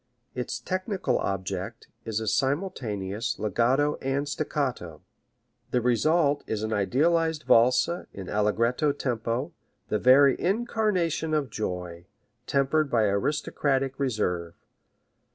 Its technical object is a simultaneous legato and staccato. The result is an idealized Valse in allegretto tempo, the very incarnation of joy, tempered by aristocratic reserve.